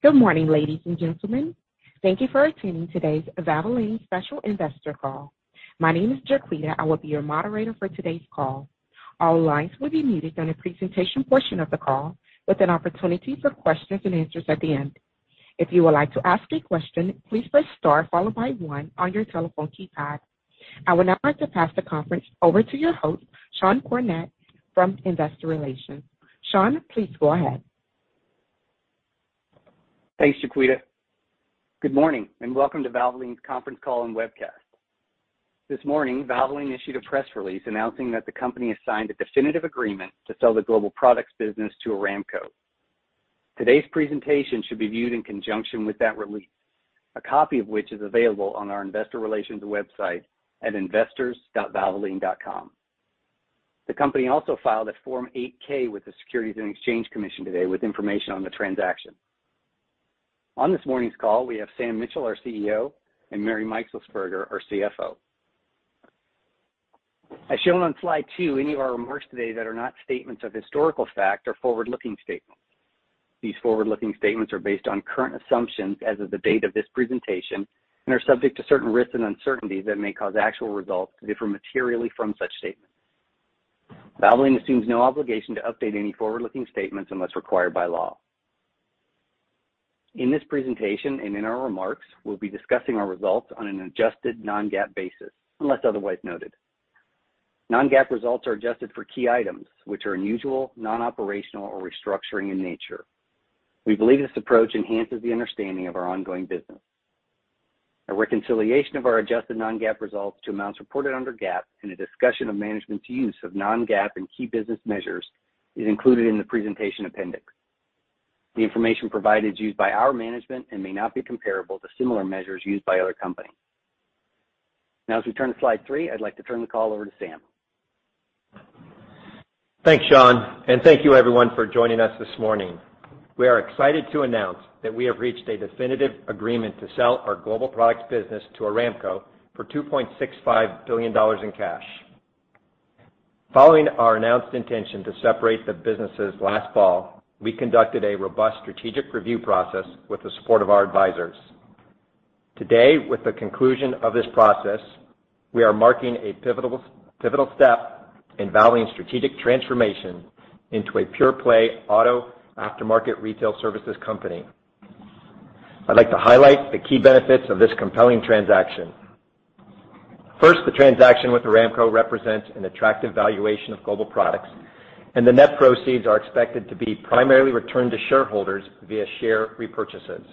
Good morning, ladies and gentlemen. Thank you for attending today's Valvoline special investor call. My name is Jacquita. I will be your moderator for today's call. All lines will be muted during the presentation portion of the call, with an opportunity for questions and answers at the end. If you would like to ask a question, please press star followed by one on your telephone keypad. I would now like to pass the conference over to your host, Sean Cornett from Investor Relations. Sean, please go ahead. Thanks, Jacquita. Good morning, and welcome to Valvoline's conference call and webcast. This morning, Valvoline issued a press release announcing that the company has signed a definitive agreement to sell the Global Products business to Aramco. Today's presentation should be viewed in conjunction with that release, a copy of which is available on our investor relations website at investors.valvoline.com. The company also filed a Form 8-K with the Securities and Exchange Commission today with information on the transaction. On this morning's call, we have Sam Mitchell, our CEO, and Mary Meixelsperger, our CFO. As shown on slide two, any of our remarks today that are not statements of historical fact are forward-looking statements. These forward-looking statements are based on current assumptions as of the date of this presentation and are subject to certain risks and uncertainties that may cause actual results to differ materially from such statements. Valvoline assumes no obligation to update any forward-looking statements unless required by law. In this presentation and in our remarks, we'll be discussing our results on an adjusted non-GAAP basis unless otherwise noted. Non-GAAP results are adjusted for key items which are unusual, non-operational, or restructuring in nature. We believe this approach enhances the understanding of our ongoing business. A reconciliation of our adjusted non-GAAP results to amounts reported under GAAP and a discussion of management's use of non-GAAP and key business measures is included in the presentation appendix. The information provided is used by our management and may not be comparable to similar measures used by other companies. Now as we turn to slide three, I'd like to turn the call over to Sam. Thanks, Sean, and thank you everyone for joining us this morning. We are excited to announce that we have reached a definitive agreement to sell our Global Products business to Aramco for $2.65 billion in cash. Following our announced intention to separate the businesses last fall, we conducted a robust strategic review process with the support of our advisors. Today, with the conclusion of this process, we are marking a pivotal step in Valvoline's strategic transformation into a pure-play auto aftermarket Retail Services company. I'd like to highlight the key benefits of this compelling transaction. First, the transaction with Aramco represents an attractive valuation of Global Products, and the net proceeds are expected to be primarily returned to shareholders via share repurchases.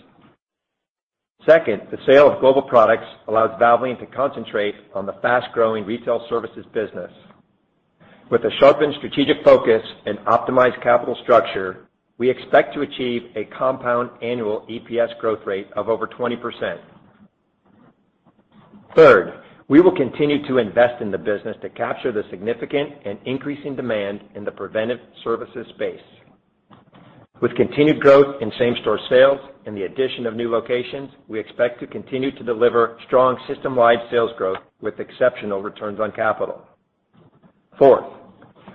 Second, the sale of Global Products allows Valvoline to concentrate on the fast-growing Retail Services business. With a sharpened strategic focus and optimized capital structure, we expect to achieve a compound annual EPS growth rate of over 20%. Third, we will continue to invest in the business to capture the significant and increasing demand in the preventive services space. With continued growth in same-store sales and the addition of new locations, we expect to continue to deliver strong system-wide sales growth with exceptional returns on capital. Fourth,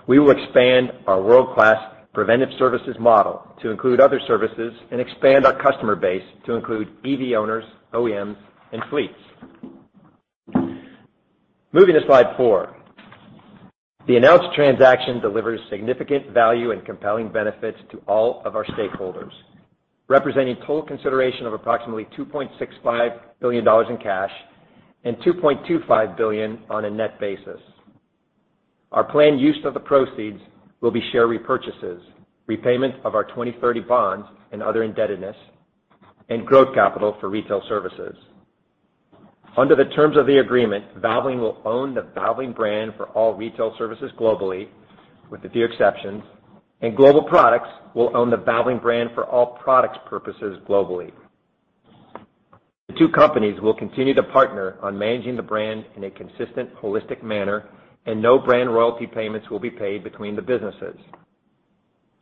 we will expand our world-class preventive services model to include other services and expand our customer base to include EV owners, OEMs, and fleets. Moving to slide four. The announced transaction delivers significant value and compelling benefits to all of our stakeholders, representing total consideration of approximately $2.65 billion in cash and $2.25 billion on a net basis. Our planned use of the proceeds will be share repurchases, repayment of our 2030 bonds and other indebtedness, and growth capital for Retail Services. Under the terms of the agreement, Valvoline will own the Valvoline brand for all Retail Services globally, with a few exceptions, and Global Products will own the Valvoline brand for all products purposes globally. The two companies will continue to partner on managing the brand in a consistent, holistic manner, and no brand royalty payments will be paid between the businesses.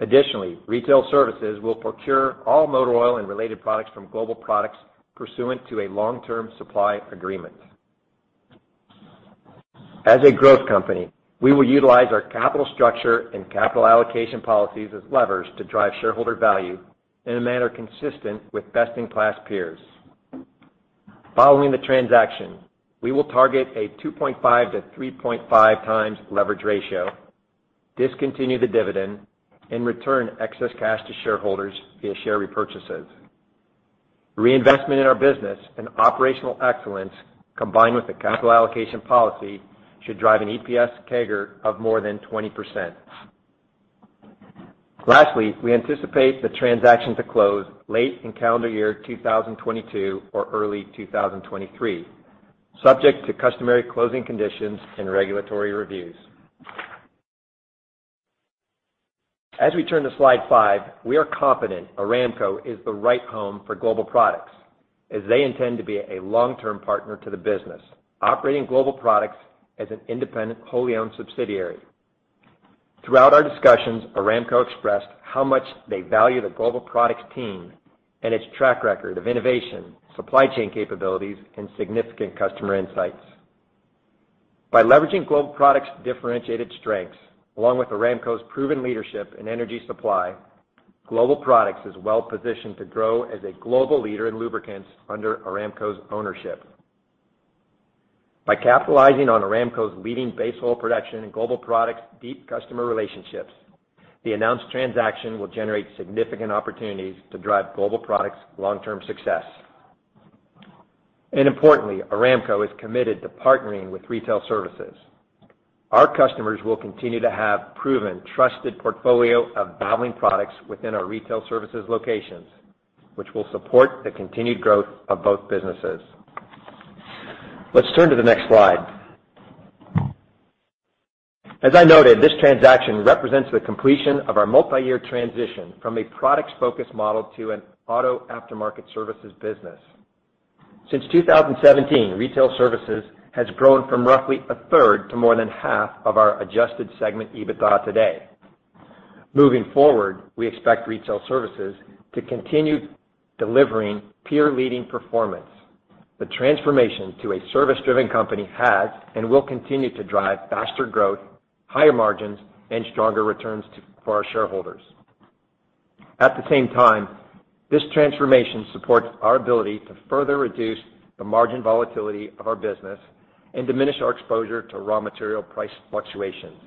Additionally, Retail Services will procure all motor oil and related products from Global Products pursuant to a long-term supply agreement. As a growth company, we will utilize our capital structure and capital allocation policies as levers to drive shareholder value in a manner consistent with best-in-class peers. Following the transaction, we will target a 2.5-3.5x leverage ratio, discontinue the dividend, and return excess cash to shareholders via share repurchases. Reinvestment in our business and operational excellence combined with the capital allocation policy should drive an EPS CAGR of more than 20%. Lastly, we anticipate the transaction to close late in calendar year 2022 or early 2023, subject to customary closing conditions and regulatory reviews. As we turn to slide five, we are confident Aramco is the right home for Global Products as they intend to be a long-term partner to the business, operating Global Products as an independent, wholly-owned subsidiary. Throughout our discussions, Aramco expressed how much they value the Global Products team and its track record of innovation, supply chain capabilities, and significant customer insights. By leveraging Global Products' differentiated strengths, along with Aramco's proven leadership in energy supply, Global Products is well-positioned to grow as a global leader in lubricants under Aramco's ownership. By capitalizing on Aramco's leading base oil production and Global Products' deep customer relationships, the announced transaction will generate significant opportunities to drive Global Products' long-term success. Importantly, Aramco is committed to partnering with Retail Services. Our customers will continue to have proven, trusted portfolio of Valvoline products within our Retail Services locations, which will support the continued growth of both businesses. Let's turn to the next slide. As I noted, this transaction represents the completion of our multi-year transition from a products-focused model to an auto aftermarket services business. Since 2017, Retail Services has grown from roughly a third to more than half of our adjusted segment EBITDA today. Moving forward, we expect Retail Services to continue delivering peer-leading performance. The transformation to a service-driven company has and will continue to drive faster growth, higher margins, and stronger returns for our shareholders. At the same time, this transformation supports our ability to further reduce the margin volatility of our business and diminish our exposure to raw material price fluctuations.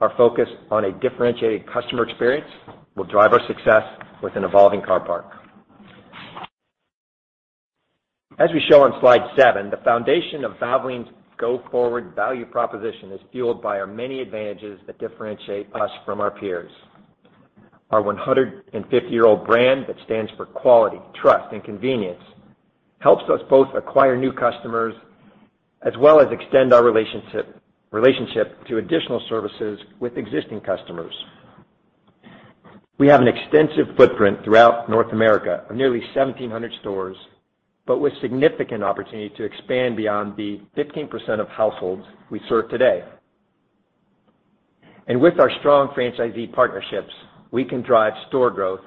Our focus on a differentiated customer experience will drive our success with an evolving car parc. As we show on slide seven, the foundation of Valvoline's go-forward value proposition is fueled by our many advantages that differentiate us from our peers. Our 150-year-old brand that stands for quality, trust, and convenience helps us both acquire new customers as well as extend our relationship to additional services with existing customers. We have an extensive footprint throughout North America of nearly 1,700 stores, but with significant opportunity to expand beyond the 15% of households we serve today. With our strong franchisee partnerships, we can drive store growth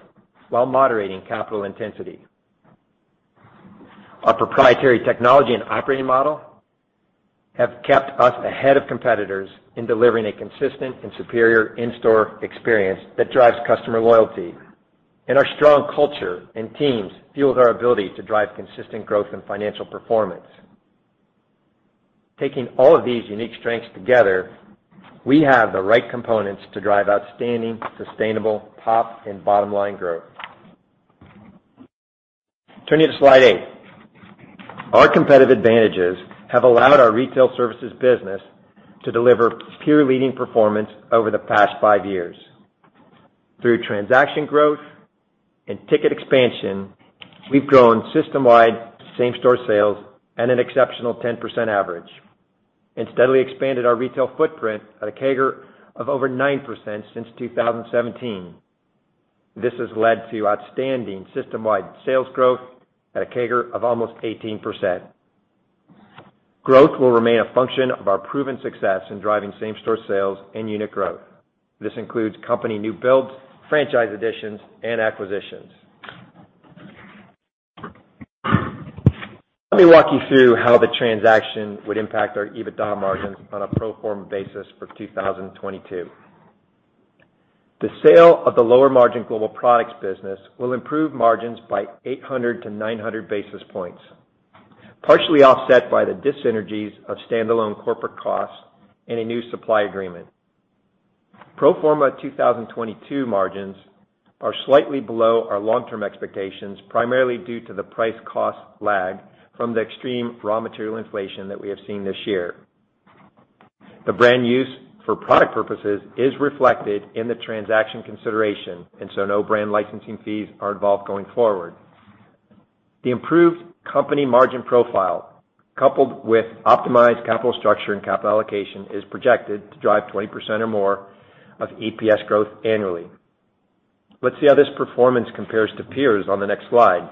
while moderating capital intensity. Our proprietary technology and operating model have kept us ahead of competitors in delivering a consistent and superior in-store experience that drives customer loyalty, and our strong culture and teams fuels our ability to drive consistent growth and financial performance. Taking all of these unique strengths together, we have the right components to drive outstanding, sustainable top and bottom-line growth. Turning to slide eight. Our competitive advantages have allowed our retail services business to deliver peer-leading performance over the past 5 years. Through transaction growth and ticket expansion, we've grown system-wide same-store sales at an exceptional 10% average and steadily expanded our retail footprint at a CAGR of over 9% since 2017. This has led to outstanding system-wide sales growth at a CAGR of almost 18%. Growth will remain a function of our proven success in driving same-store sales and unit growth. This includes company new builds, franchise additions, and acquisitions. Let me walk you through how the transaction would impact our EBITDA margins on a pro forma basis for 2022. The sale of the lower margin Global Products business will improve margins by 800-900 basis points, partially offset by the dyssynergies of standalone corporate costs and a new supply agreement. Pro forma 2022 margins are slightly below our long-term expectations, primarily due to the price cost lag from the extreme raw material inflation that we have seen this year. The brand use for product purposes is reflected in the transaction consideration, and so no brand licensing fees are involved going forward. The improved company margin profile, coupled with optimized capital structure and capital allocation, is projected to drive 20% or more of EPS growth annually. Let's see how this performance compares to peers on the next slide.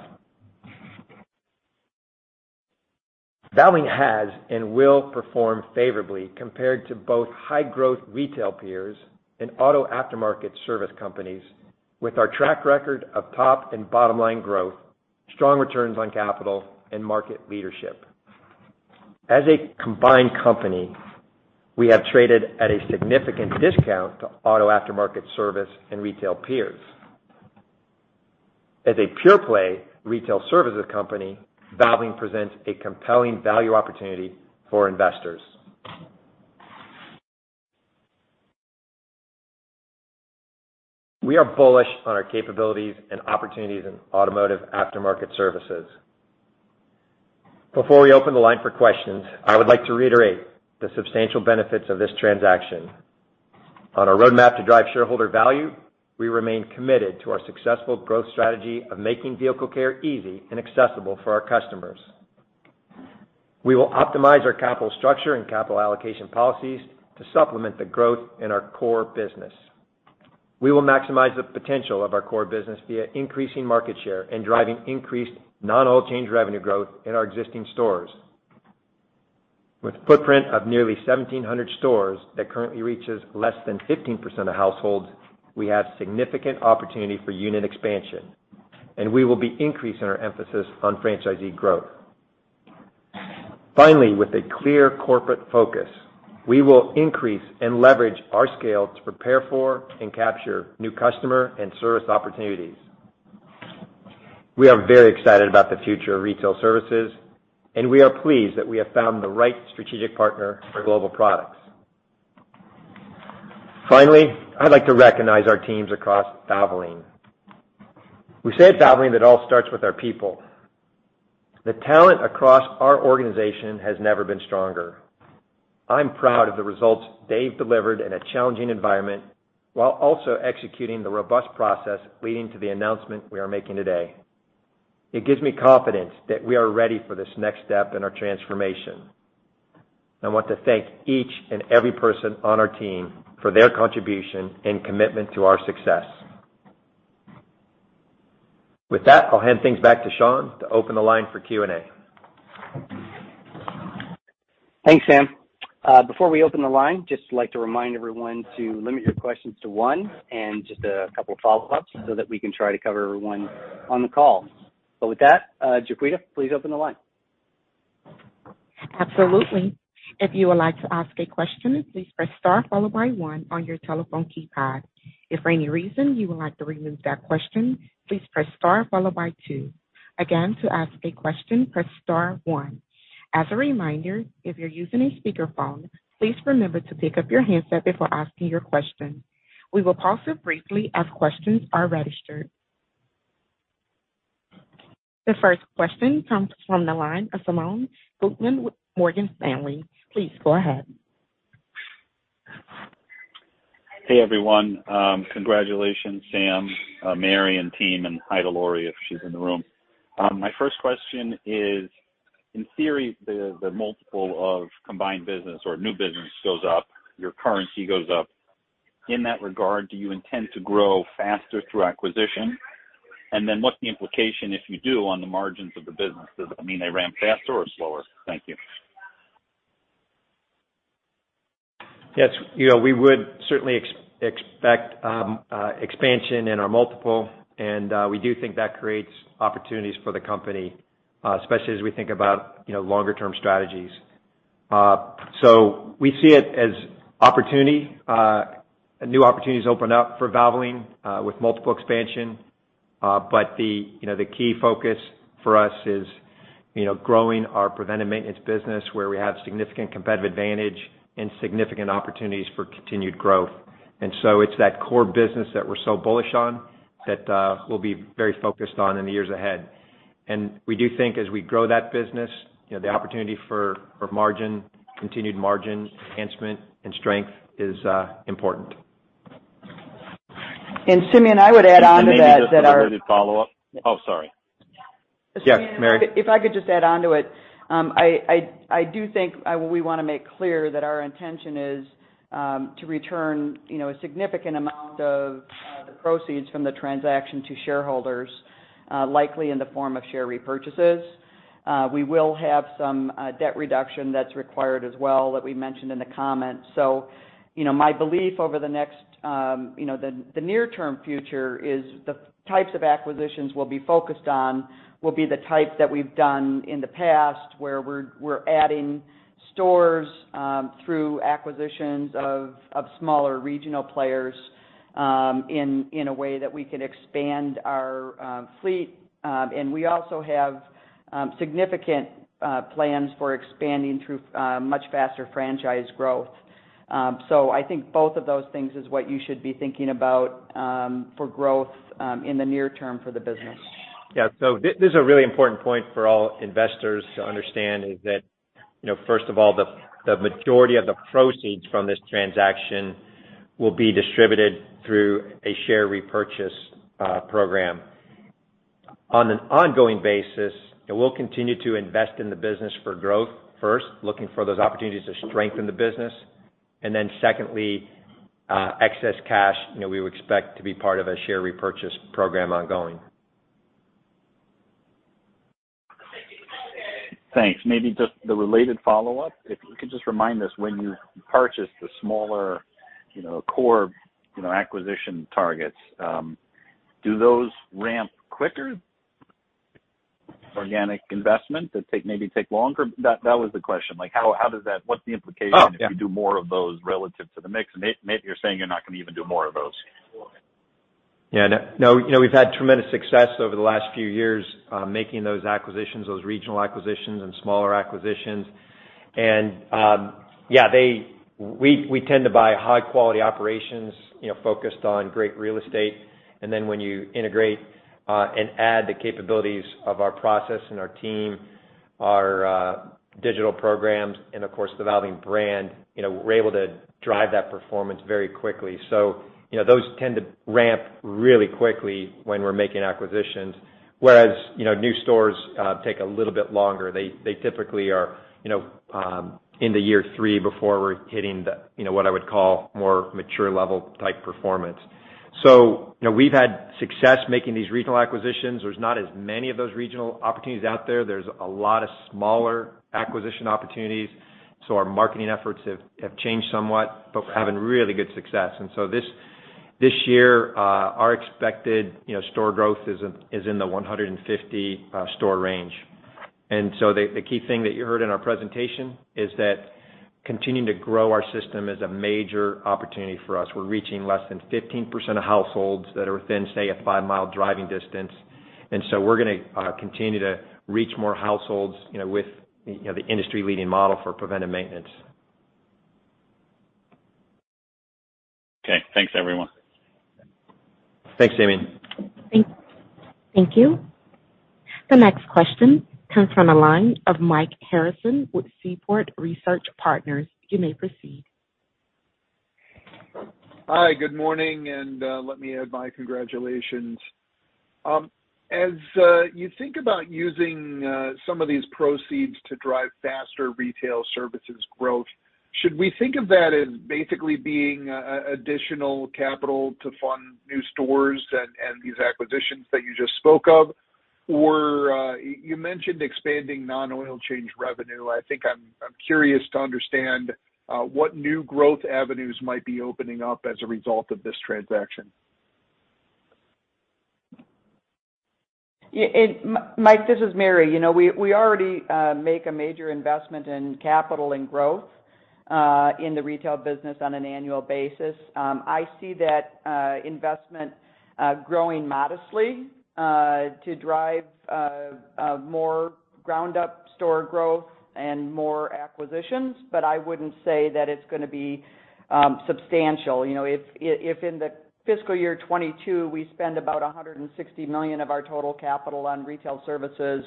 Valvoline has and will perform favorably compared to both high-growth retail peers and auto aftermarket service companies with our track record of top and bottom-line growth, strong returns on capital, and market leadership. As a combined company, we have traded at a significant discount to auto aftermarket service and retail peers. As a pure play retail services company, Valvoline presents a compelling value opportunity for investors. We are bullish on our capabilities and opportunities in automotive aftermarket services. Before we open the line for questions, I would like to reiterate the substantial benefits of this transaction. On our roadmap to drive shareholder value, we remain committed to our successful growth strategy of making vehicle care easy and accessible for our customers. We will optimize our capital structure and capital allocation policies to supplement the growth in our core business. We will maximize the potential of our core business via increasing market share and driving increased non-oil change revenue growth in our existing stores. With a footprint of nearly 1,700 stores that currently reaches less than 15% of households, we have significant opportunity for unit expansion. We will be increasing our emphasis on franchisee growth. Finally, with a clear corporate focus, we will increase and leverage our scale to prepare for and capture new customer and service opportunities. We are very excited about the future of Retail Services, and we are pleased that we have found the right strategic partner for Global Products. Finally, I'd like to recognize our teams across Valvoline. We say at Valvoline that it all starts with our people. The talent across our organization has never been stronger. I'm proud of the results they've delivered in a challenging environment while also executing the robust process leading to the announcement we are making today. It gives me confidence that we are ready for this next step in our transformation. I want to thank each and every person on our team for their contribution and commitment to our success. With that, I'll hand things back to Sean to open the line for Q&A. Thanks, Sam. Before we open the line, just like to remind everyone to limit your questions to one and just a couple of follow-ups so that we can try to cover everyone on the call. With that, Jacquita, please open the line. Absolutely. If you would like to ask a question, please press star followed by one on your telephone keypad. If for any reason you would like to remove that question, please press star followed by two. Again, to ask a question, press star one. As a reminder, if you're using a speakerphone, please remember to pick up your handset before asking your question. We will pause here briefly as questions are registered. The first question comes from the line of Simeon Gutman with Morgan Stanley. Please go ahead. Hey, everyone. Congratulations, Sam, Mary, and team, and hi to Lori if she's in the room. My first question is, in theory, the multiple of combined business or new business goes up, your currency goes up. In that regard, do you intend to grow faster through acquisition? What's the implication if you do on the margins of the business? Does it mean they ramp faster or slower? Thank you. Yes. You know, we would certainly expect expansion in our multiple, and we do think that creates opportunities for the company, especially as we think about, you know, longer term strategies. We see it as opportunity, new opportunities open up for Valvoline, with multiple expansion. The, you know, the key focus for us is, you know, growing our preventive maintenance business where we have significant competitive advantage and significant opportunities for continued growth. It's that core business that we're so bullish on that we'll be very focused on in the years ahead. We do think as we grow that business, you know, the opportunity for margin, continued margin enhancement and strength is important. Simeon, I would add on to that. Maybe just a related follow-up. Oh, sorry. Yes, Mary. Simeon, if I could just add onto it. I do think we wanna make clear that our intention is to return, you know, a significant amount of the proceeds from the transaction to shareholders, likely in the form of share repurchases. We will have some debt reduction that's required as well that we mentioned in the comments. You know, my belief over the next, you know, the near-term future is the types of acquisitions we'll be focused on will be the types that we've done in the past, where we're adding stores through acquisitions of smaller regional players in a way that we can expand our fleet. We also have significant plans for expanding through much faster franchise growth. I think both of those things is what you should be thinking about, for growth, in the near term for the business. Yeah. This is a really important point for all investors to understand is that, you know, first of all, the majority of the proceeds from this transaction will be distributed through a share repurchase program. On an ongoing basis, it will continue to invest in the business for growth first, looking for those opportunities to strengthen the business, and then secondly, excess cash, you know, we would expect to be part of a share repurchase program ongoing. Thanks. Maybe just the related follow-up. If you could just remind us when you purchase the smaller, you know, core, you know, acquisition targets, do those ramp quicker? Organic investment that take, maybe take longer? That was the question. Like, how does that, what's the implication? Oh, yeah. If you do more of those relative to the mix? Maybe you're saying you're not gonna even do more of those. Yeah. No, you know, we've had tremendous success over the last few years, making those acquisitions, those regional acquisitions and smaller acquisitions. We tend to buy high quality operations, you know, focused on great real estate. Then when you integrate and add the capabilities of our process and our team, our digital programs and of course, the Valvoline brand, you know, we're able to drive that performance very quickly. You know, those tend to ramp really quickly when we're making acquisitions, whereas you know, new stores take a little bit longer. They typically are, you know, into year three before we're hitting the, you know, what I would call more mature level type performance. You know, we've had success making these regional acquisitions. There's not as many of those regional opportunities out there. There's a lot of smaller acquisition opportunities. Our marketing efforts have changed somewhat, but we're having really good success. This year, our expected store growth is in the 150 store range. The key thing that you heard in our presentation is that continuing to grow our system is a major opportunity for us. We're reaching less than 15% of households that are within, say, a five-mile driving distance. We're gonna continue to reach more households, you know, with, you know, the industry-leading model for preventive maintenance. Okay, thanks everyone. Thanks, Simeon. Thank you. The next question comes from the line of Mike Harrison with Seaport Research Partners. You may proceed. Hi, good morning, and let me add my congratulations. As you think about using some of these proceeds to drive faster Retail Services growth, should we think of that as basically being additional capital to fund new stores and these acquisitions that you just spoke of? Or you mentioned expanding non-oil change revenue. I think I'm curious to understand what new growth avenues might be opening up as a result of this transaction. Yeah, Mike, this is Mary. You know, we already make a major investment in capital and growth in the retail business on an annual basis. I see that investment growing modestly to drive more ground up store growth and more acquisitions, but I wouldn't say that it's gonna be substantial. You know, if in the fiscal year 2022, we spend about $160 million of our total capital on Retail Services,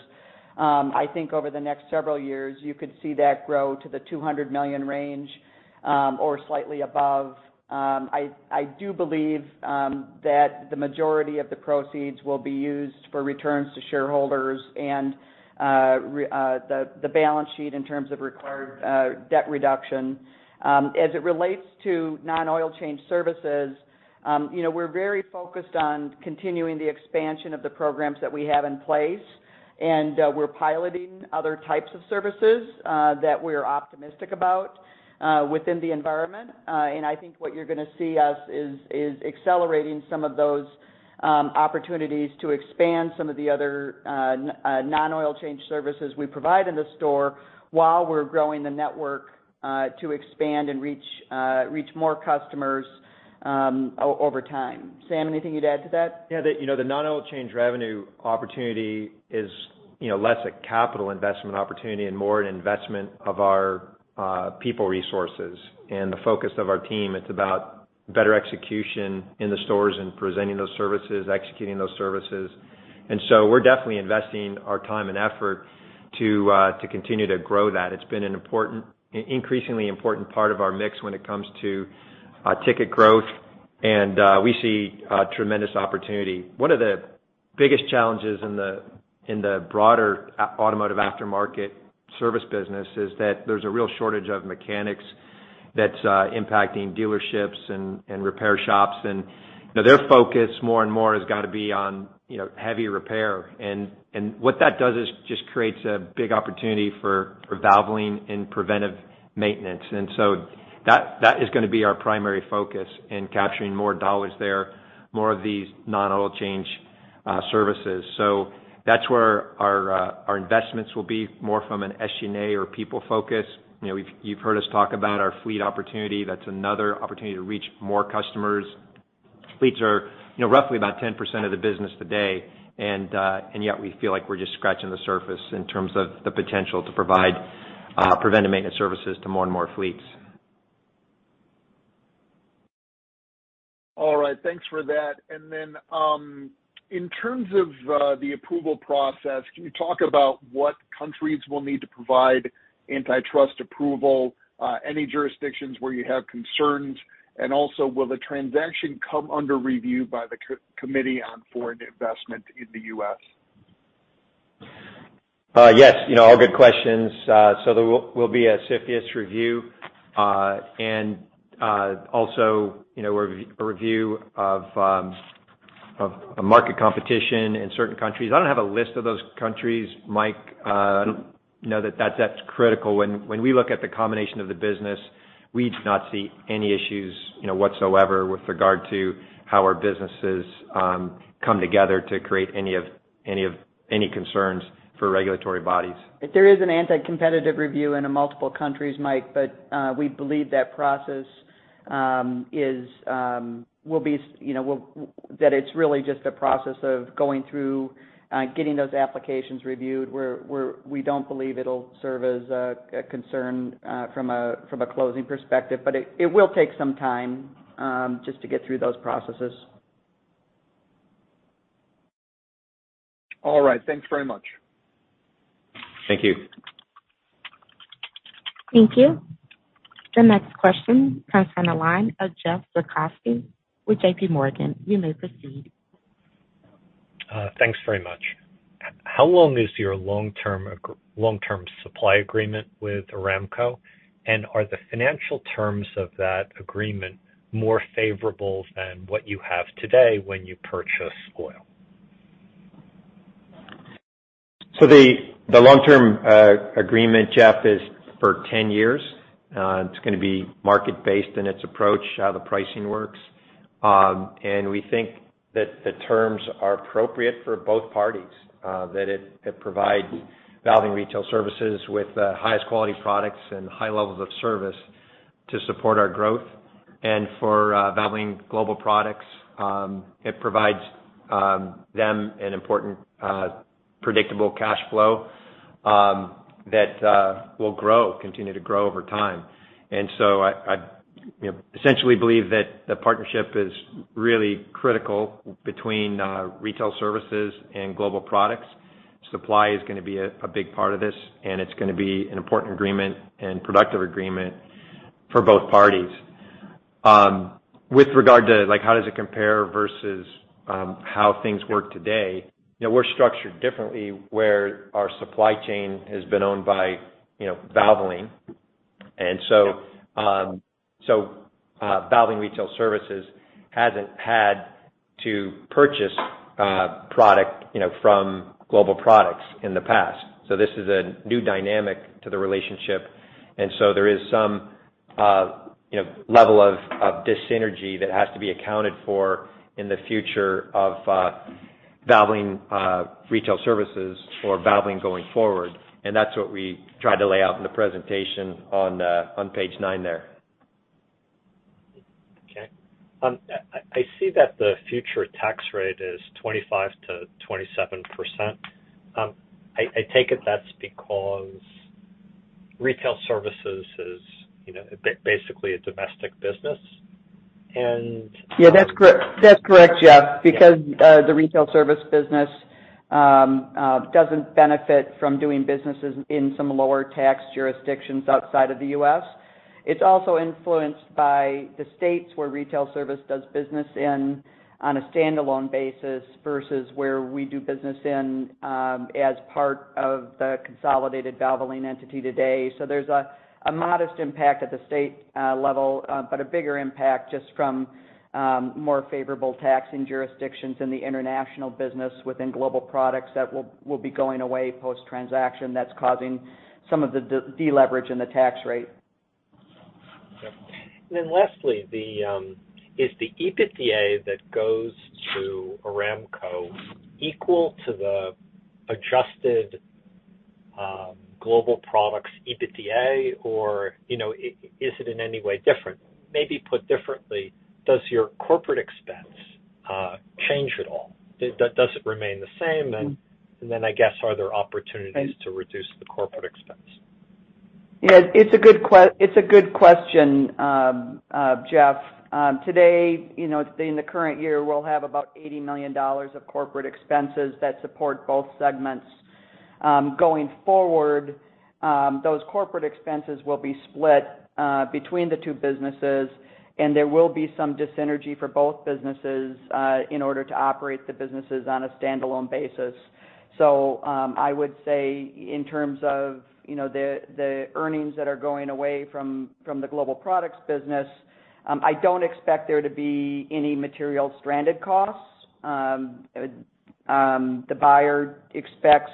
I think over the next several years, you could see that grow to the $200 million range or slightly above. I do believe that the majority of the proceeds will be used for returns to shareholders and the balance sheet in terms of required debt reduction. As it relates to non-oil change services, you know, we're very focused on continuing the expansion of the programs that we have in place. We're piloting other types of services that we're optimistic about within the environment. I think what you're gonna see us is accelerating some of those opportunities to expand some of the other non-oil change services we provide in the store while we're growing the network to expand and reach more customers over time. Sam, anything you'd add to that? Yeah, you know, the non-oil change revenue opportunity is, you know, less a capital investment opportunity and more an investment of our people resources. The focus of our team, it's about better execution in the stores and presenting those services, executing those services. We're definitely investing our time and effort to continue to grow that. It's been an important increasingly important part of our mix when it comes to ticket growth, and we see tremendous opportunity. One of the biggest challenges in the broader automotive aftermarket service business is that there's a real shortage of mechanics that's impacting dealerships and repair shops. You know, their focus more and more has got to be on, you know, heavy repair. What that does is just creates a big opportunity for Valvoline in preventive maintenance. That is gonna be our primary focus in capturing more dollars there, more of these non-oil change services. That's where our investments will be more from an SG&A or people focus. You know, you've heard us talk about our fleet opportunity. That's another opportunity to reach more customers. Fleets are, you know, roughly about 10% of the business today, and yet we feel like we're just scratching the surface in terms of the potential to provide preventive maintenance services to more and more fleets. All right, thanks for that. In terms of the approval process, can you talk about what countries will need to provide antitrust approval, any jurisdictions where you have concerns? Will the transaction come under review by the Committee on Foreign Investment in the United States? Yes, you know, all good questions. There will be a CFIUS review, and also, you know, a review of market competition in certain countries. I don't have a list of those countries, Mike. I don't know that that's critical. When we look at the combination of the business, we do not see any issues, you know, whatsoever with regard to how our businesses come together to create any concerns for regulatory bodies. There is an anti-competitive review in multiple countries, Mike, but we believe that process will be, you know, that it's really just a process of going through getting those applications reviewed. We don't believe it'll serve as a concern from a closing perspective. It will take some time just to get through those processes. All right. Thanks very much. Thank you. Thank you. The next question comes from the line of Jeff Zekauskas with JPMorgan. You may proceed. Thanks very much. How long is your long-term supply agreement with Aramco? Are the financial terms of that agreement more favorable than what you have today when you purchase oil? The long-term agreement, Jeff, is for 10 years. It's gonna be market-based in its approach, how the pricing works. We think that the terms are appropriate for both parties, that it provides Valvoline Retail Services with the highest quality products and high levels of service to support our growth. For Valvoline Global Products, it provides them an important predictable cash flow that will grow, continue to grow over time. I you know essentially believe that the partnership is really critical between Retail Services and Global Products. Supply is gonna be a big part of this, and it's gonna be an important agreement and productive agreement for both parties. With regard to, like, how does it compare versus how things work today, you know, we're structured differently where our supply chain has been owned by, you know, Valvoline. Valvoline Retail Services hasn't had to purchase product, you know, from Global Products in the past. This is a new dynamic to the relationship. There is some, you know, level of dyssynergy that has to be accounted for in the future of Valvoline Retail Services or Valvoline going forward, and that's what we tried to lay out in the presentation on page nine there. I see that the future tax rate is 25%-27%. I take it that's because Retail Services is, you know, basically a domestic business, and. Yeah, that's correct. That's correct, Jeff. Yeah. Because the Retail Services business doesn't benefit from doing businesses in some lower tax jurisdictions outside of the U.S. It's also influenced by the states where Retail Services does business on a standalone basis versus where we do business in as part of the consolidated Valvoline entity today. There's a modest impact at the state level but a bigger impact just from more favorable taxes in jurisdictions in the international business within Global Products that will be going away post-transaction that's causing some of the deleverage in the tax rate. Okay. Lastly, is the EBITDA that goes to Aramco equal to the Adjusted Global Products EBITDA or, you know, is it in any way different? Maybe put differently, does your corporate expense change at all? Does it remain the same? I guess, are there opportunities? Right. To reduce the corporate expense? Yeah. It's a good question, Jeff. Today, you know, in the current year, we'll have about $80 million of corporate expenses that support both segments. Going forward, those corporate expenses will be split between the two businesses, and there will be some dyssynergy for both businesses in order to operate the businesses on a standalone basis. I would say in terms of, you know, the earnings that are going away from the Global Products business, I don't expect there to be any material stranded costs. The buyer expects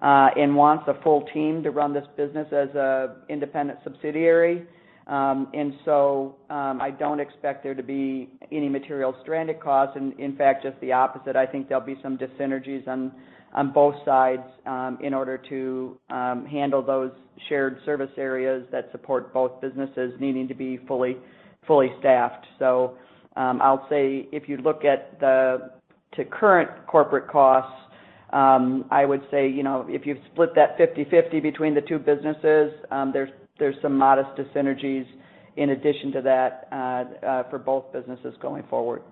and wants a full team to run this business as an independent subsidiary. I don't expect there to be any material stranded costs, and in fact, just the opposite. I think there'll be some dis-synergies on both sides in order to handle those shared service areas that support both businesses needing to be fully staffed. I'll say if you look at the current corporate costs, I would say, you know, if you split that 50/50 between the two businesses, there's some modest dis-synergies in addition to that for both businesses going forward.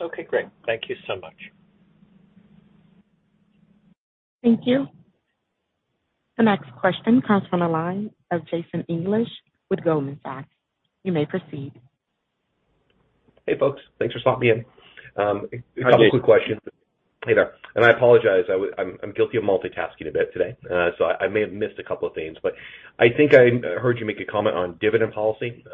Okay, great. Thank you so much. Thank you. The next question comes from the line of Jason English with Goldman Sachs. You may proceed. Hey, folks. Thanks for slotting me in. Hi, Jason. A couple quick questions. Later. I apologize, I'm guilty of multitasking a bit today, so I may have missed a couple of things. I think I heard you make a comment on dividend policy.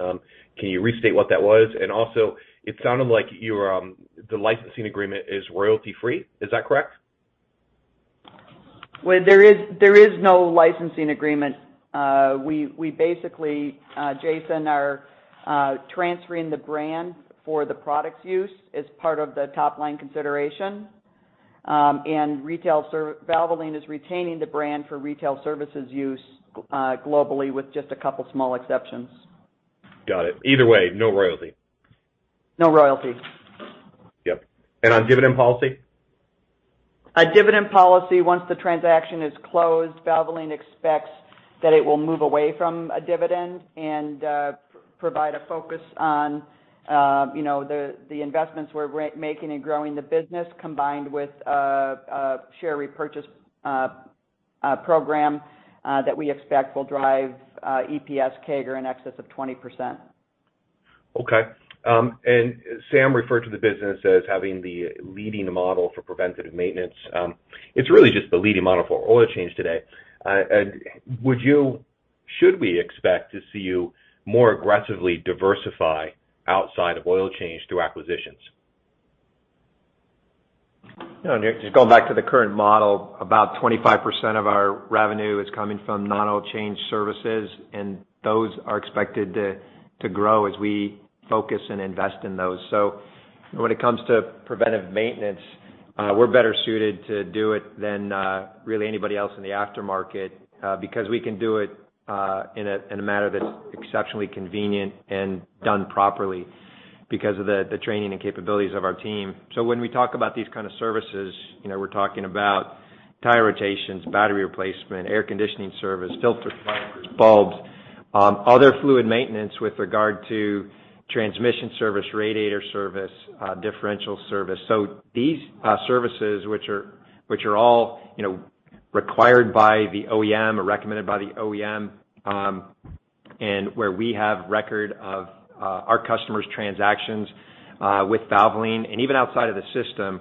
Can you restate what that was? Also, it sounded like your, the licensing agreement is royalty-free. Is that correct? Well, there is no licensing agreement. We basically, Jason, are transferring the brand for the product's use as part of the top-line consideration. Valvoline is retaining the brand for Retail Services' use globally with just a couple small exceptions. Got it. Either way, no royalty. No royalty. Yep. On dividend policy? Dividend policy, once the transaction is closed, Valvoline expects that it will move away from a dividend and provide a focus on, you know, the investments we're making and growing the business, combined with a share repurchase program that we expect will drive EPS CAGR in excess of 20%. Okay. Sam referred to the business as having the leading model for preventative maintenance. It's really just the leading model for oil change today. Would you? Should we expect to see you more aggressively diversify outside of oil change through acquisitions? You know, Nick, just going back to the current model, about 25% of our revenue is coming from non-oil change services, and those are expected to grow as we focus and invest in those. When it comes to preventive maintenance, we're better suited to do it than really anybody else in the aftermarket, because we can do it in a manner that's exceptionally convenient and done properly because of the training and capabilities of our team. When we talk about these kind of services, you know, we're talking about tire rotations, battery replacement, air conditioning service, filters, wipers, bulbs, other fluid maintenance with regard to transmission service, radiator service, differential service. These services which are all, you know, required by the OEM or recommended by the OEM, and where we have record of our customers' transactions with Valvoline and even outside of the system,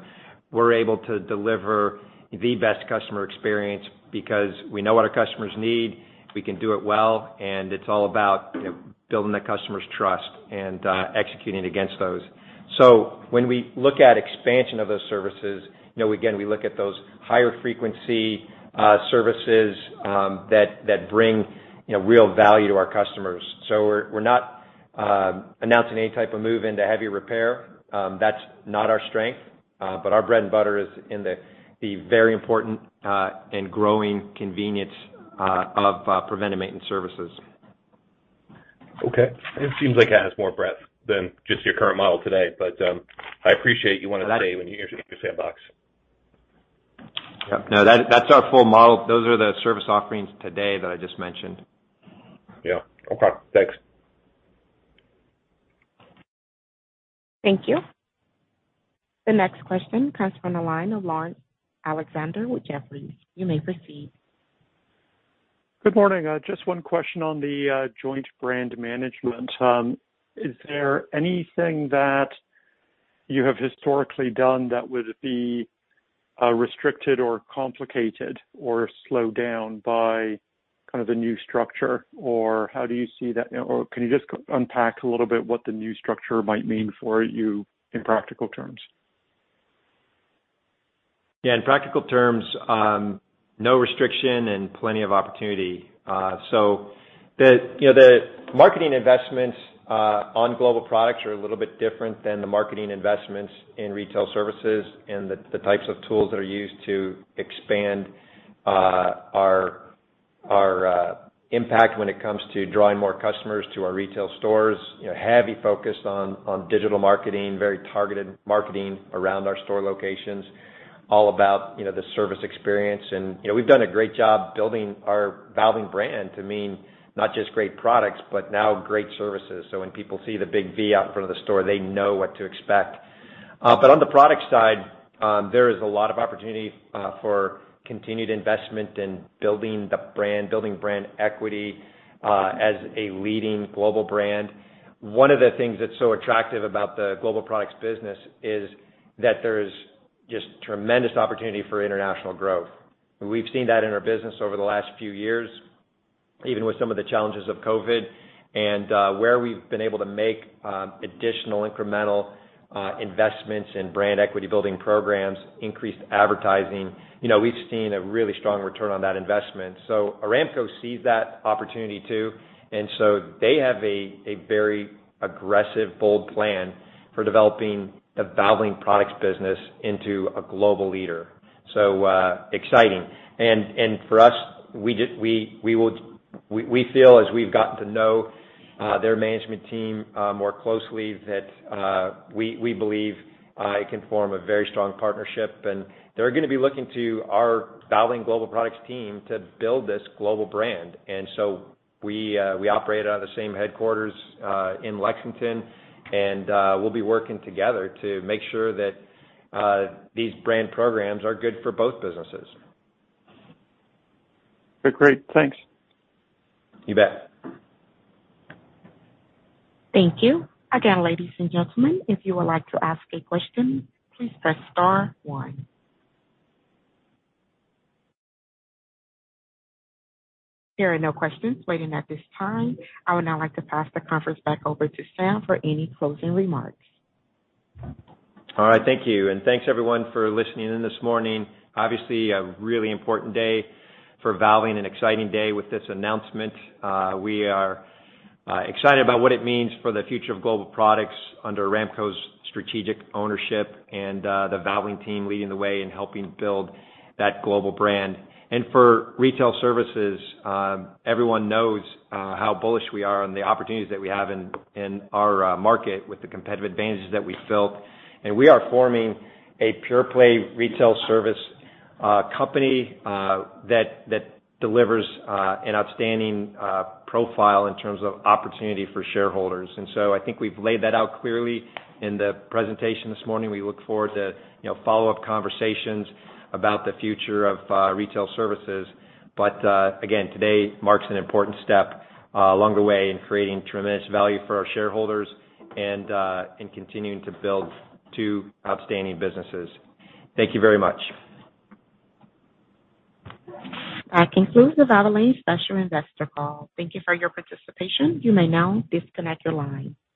we're able to deliver the best customer experience because we know what our customers need, we can do it well, and it's all about, you know, building the customer's trust and executing against those. When we look at expansion of those services, you know, again, we look at those higher frequency services that bring, you know, real value to our customers. We're not announcing any type of move into heavy repair. That's not our strength, but our bread and butter is in the very important and growing convenience of preventive maintenance services. Okay. It seems like it has more breadth than just your current model today, but I appreciate you wanted to say when you introduced your sandbox. Yeah. No. That, that's our full model. Those are the service offerings today that I just mentioned. Yeah. Okay. Thanks. Thank you. The next question comes from the line of Laurence Alexander with Jefferies. You may proceed. Good morning. Just one question on the joint brand management. Is there anything that you have historically done that would be restricted or complicated or slowed down by kind of the new structure? Or how do you see that? Or can you just unpack a little bit what the new structure might mean for you in practical terms? Yeah, in practical terms, no restriction and plenty of opportunity. The, you know, the marketing investments on Global Products are a little bit different than the marketing investments in Retail Services and the types of tools that are used to expand our impact when it comes to drawing more customers to our retail stores. You know, heavy focus on digital marketing, very targeted marketing around our store locations, all about, you know, the service experience. You know, we've done a great job building our Valvoline brand to mean not just great products, but now great services. When people see the big V out in front of the store, they know what to expect. On the product side, there is a lot of opportunity for continued investment in building the brand, building brand equity, as a leading global brand. One of the things that's so attractive about the Global Products business is that there's just tremendous opportunity for international growth. We've seen that in our business over the last few years, even with some of the challenges of COVID and where we've been able to make additional incremental investments in brand equity building programs, increased advertising. You know, we've seen a really strong return on that investment. Aramco sees that opportunity too, and so they have a very aggressive, bold plan for developing the Valvoline products business into a global leader. Exciting. For us, we feel as we've gotten to know their management team more closely, that we believe we can form a very strong partnership, and they're gonna be looking to our Valvoline Global Products team to build this global brand. We operate out of the same headquarters in Lexington and we'll be working together to make sure that these brand programs are good for both businesses. Okay, great. Thanks. You bet. Thank you. Again, ladies and gentlemen, if you would like to ask a question, please press star one. There are no questions waiting at this time. I would now like to pass the conference back over to Sam for any closing remarks. All right. Thank you. Thanks everyone for listening in this morning. Obviously, a really important day for Valvoline and exciting day with this announcement. We are excited about what it means for the future of Global Products under Aramco's strategic ownership and the Valvoline team leading the way in helping build that global brand. For Retail Services, everyone knows how bullish we are on the opportunities that we have in our market with the competitive advantages that we built. We are forming a pure play retail service company that delivers an outstanding profile in terms of opportunity for shareholders. I think we've laid that out clearly in the presentation this morning. We look forward to, you know, follow-up conversations about the future of Retail Services. Again, today marks an important step along the way in creating tremendous value for our shareholders and continuing to build two outstanding businesses. Thank you very much. That concludes the Valvoline special investor call. Thank you for your participation. You may now disconnect your line.